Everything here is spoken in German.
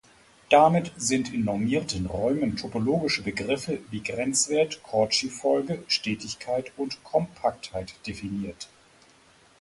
Damit sind in normierten Räumen topologische Begriffe, wie Grenzwert, Cauchy-Folge, Stetigkeit und Kompaktheit definiert.